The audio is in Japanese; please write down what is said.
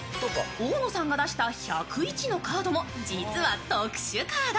大野さんが出した１０１のカードも実は特殊カード。